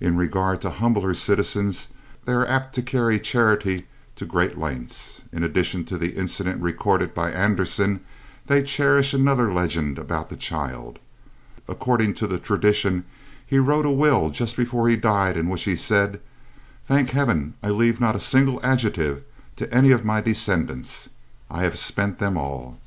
In regard to humbler citizens they are apt to carry charity to great lengths. In addition to the incident recorded by Andersen they cherish another legend about the child. According to the tradition, he wrote a will just before he died in which he said, "Thank heaven I leave not a single adjective to any of my descendants. I have spent them all."